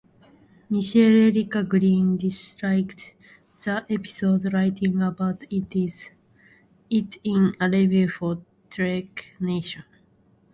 Michelle Erica Green disliked the episode, writing about it in a review for TrekNation.